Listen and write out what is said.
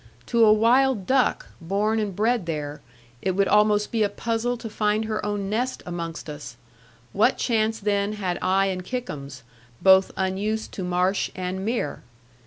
To a wild duck, born and bred there, it would almost be a puzzle to find her own nest amongst us; what chance then had I and Kickums, both unused to marsh and mere?